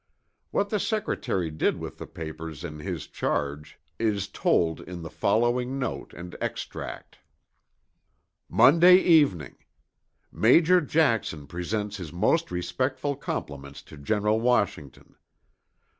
What the Secretary did with the papers in his charge is told in the following note and extract: "MONDAY EVENING. "Major Jackson presents his most respectful compliments to General Washington....